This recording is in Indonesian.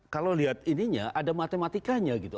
kalau lihat ininya ada matematikanya gitu